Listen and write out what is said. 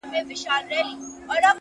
دا د مشکو رباتونه خُتن زما دی-